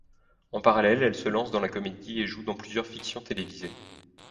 En parallèle, elle se lance dans la comédie et joue dans plusieurs fictions télévisées.